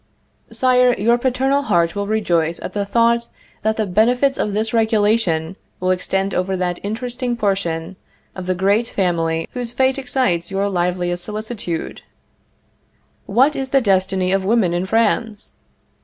Sire, your paternal heart will rejoice at the thought that the benefits of this regulation will extend over that interesting portion of the great family whose fate excites your liveliest solicitude. What is the destiny of women in France?